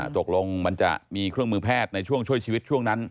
ตกลงมันจะมีเครื่องมือแพทย์ในช่วงช่วยชีวิตช่วงนั้น